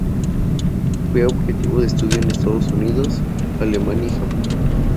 Fue objeto de estudio en Estados Unidos, Alemania y Japón.